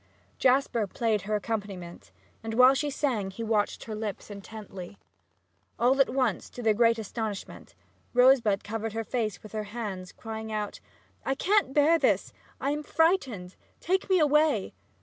Jasper played her accompaniment, and while she sang he watched her lips intently. All at once, to their great astonishment, Rosebud covered her face with her hands and, crying out, "I can't bear this! I am frightened! Take me away!"